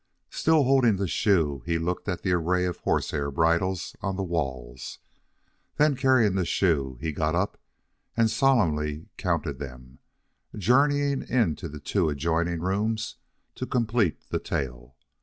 Still holding the shoe, he looked at the array of horsehair bridles on the walls. Then, carrying the shoe, he got up and solemnly counted them, journeying into the two adjoining rooms to complete the tale.